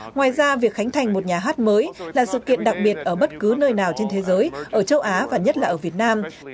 ngoài ra việc khánh thành một nhà hát mới là sự kiện đặc biệt ở bất cứ nơi nào trên thế giới ở châu á và nhất là ở việt nam